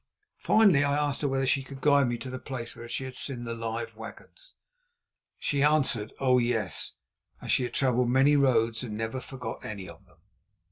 Finally I asked her whether she could guide me to the place where she had seen the "live wagons." She answered: "Oh, yes," as she had travelled many roads and never forgot any of them.